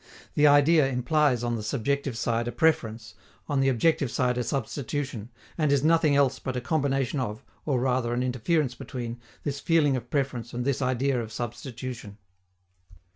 The idea implies on the subjective side a preference, on the objective side a substitution, and is nothing else but a combination of, or rather an interference between, this feeling of preference and this idea of substitution.